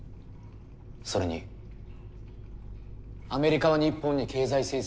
それにアメリカは日本に経済制裁をますます強める。